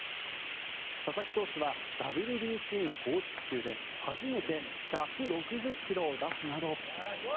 佐々木投手はＷＢＣの公式球で初めて１６０ｋｍを出すなど。